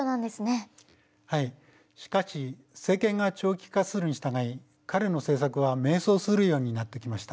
しかし政権が長期化するにしたがい彼の政策は迷走するようになってきました。